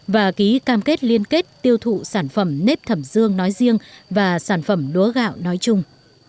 và ký cam kết liên kết tiêu thụ sản phẩm nếp thẩm dương nói riêng và sản phẩm lúa gạo nói chung